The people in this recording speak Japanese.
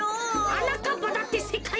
はなかっぱだってせかいいち